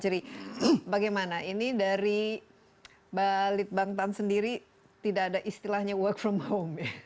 bagaimana ini dari balit bangtan sendiri tidak ada istilahnya work from home